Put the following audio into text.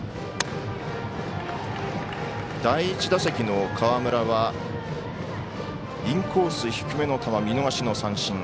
第１打席の河村はインコース低めの球見逃しの三振。